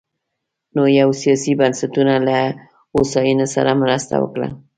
نویو سیاسي بنسټونو له هوساینې سره مرسته وکړه.